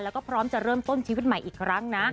แล้วก็พร้อมจะเริ่มต้นชีวิตใหม่อีกครั้งนะ